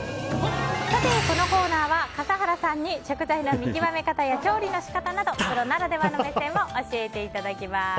このコーナーは笠原さんに食材の見極め方や調理の仕方などプロならではの目線を教えていただきます。